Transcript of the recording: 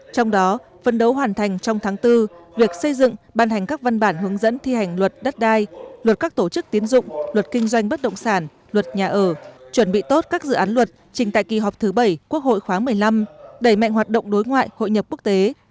trong đó phân đấu hoàn thành trong tháng bốn việc xây dựng ban hành các văn bản hướng dẫn thi hành luật đất đai luật các tổ chức tiến dụng luật kinh doanh bất động sản luật nhà ở chuẩn bị tốt các dự án luật trình tại kỳ họp thứ bảy quốc hội khoáng một mươi năm đẩy mạnh hoạt động đối ngoại hội nhập quốc tế